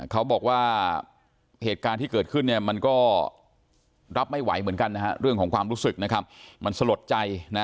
เขาบอกว่าเหตุการณ์ที่เกิดขึ้นเนี่ยมันก็รับไม่ไหวเหมือนกันนะฮะเรื่องของความรู้สึกนะครับมันสลดใจนะ